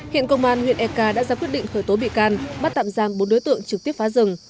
hiện công an huyện eka đã ra quyết định khởi tố bị can bắt tạm giam bốn đối tượng trực tiếp phá rừng